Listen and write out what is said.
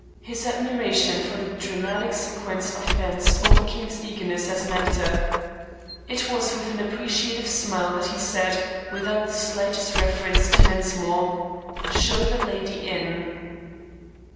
His admiration for the dramatic sequence of events overcame his eagerness as an actor. It was with an appreciative smile that he said, without the slightest reference to Mensmore: "Show the lady in."